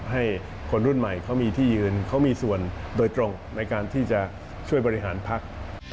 ให้คนรุ่นใหม่เขามีที่ยืนเขามีส่วนโดยตรงในการที่จะช่วยบริหารพัก